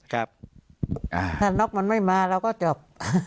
ถ้านกไม่มาเราก็จบ